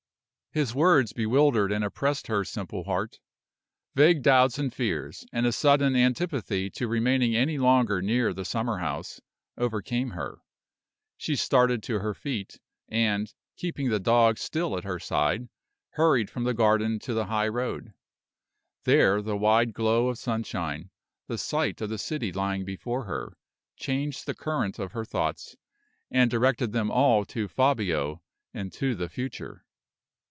His words bewildered and oppressed her simple heart. Vague doubts and fears, and a sudden antipathy to remaining any longer near the summer house, overcame her. She started to her feet, and, keeping the dog still at her side, hurried from the garden to the highroad. There, the wide glow of sunshine, the sight of the city lying before her, changed the current of her thoughts, and directed them all to Fabio and to the future.